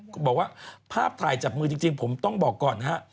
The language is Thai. บอกว่าภาพถ่ายจับมือจริงผมต้องบอกก่อนนะฮะ